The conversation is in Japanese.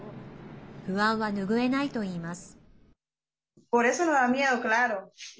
不安は拭えないといいます。